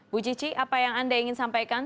bu cici apa yang anda ingin sampaikan